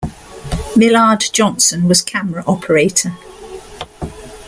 Millard Johnson was camera operator.